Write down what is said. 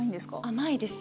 甘いです。